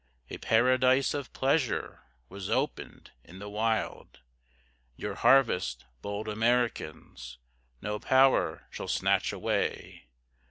A paradise of pleasure Was opened in the wild! Your harvest, bold Americans, No power shall snatch away!